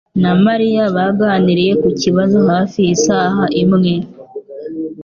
na Mariya baganiriye ku kibazo hafi isaha imwe